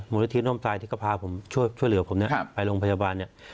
มูลนิธิร่วมทรายที่ก็พาผมช่วยเหลือผมเนี่ยไปโรงพยาบาลเนี่ย